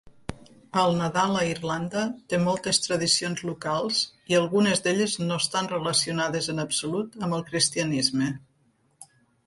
El Nadal a Irlanda té moltes tradicions locals i algunes d"elles no estan relacionades en absolut amb el cristianisme.